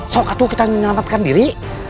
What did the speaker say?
sokatu kita menyelamatkan diri